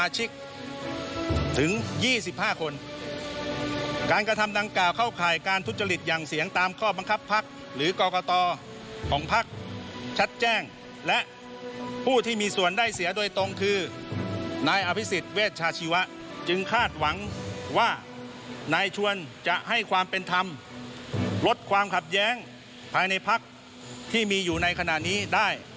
จากเวชาชีวะจึงคาดหวังว่านายชวนจะให้ความเป็นธรรมลดความขับแย้งภายในภักดิ์ที่มีอยู่ในขณะนี้ได้